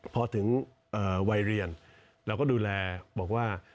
พอถึงวัยเรียนเราก็ดูแลบอกว่า